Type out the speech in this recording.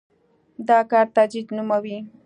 دا کار تجدید نوموي.